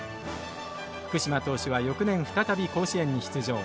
福嶋投手は翌年再び甲子園に出場。